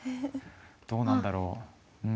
どうなんだろう？